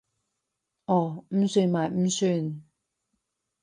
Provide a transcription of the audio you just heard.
哦，唔算咪唔算